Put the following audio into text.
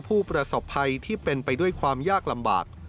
ผู้ประสบภัยที่เป็นไปด้วยความยากลำบาก